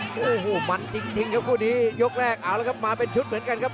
กระโดยสิ้งเล็กนี่ออกกันขาสันเหมือนกันครับ